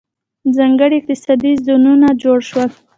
ځانګړي اقتصادي زونونه جوړ شول.